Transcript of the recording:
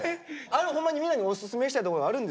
ホンマにみんなにもオススメしたいとこがあるんですけど。